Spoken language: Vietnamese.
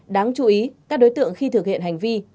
đáng chú ý các đối tượng khi thực hiện hành vi